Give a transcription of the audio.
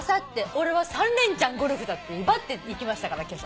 俺は３連チャンゴルフだって威張って行きましたからけさ。